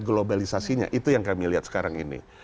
globalisasinya itu yang kami lihat sekarang ini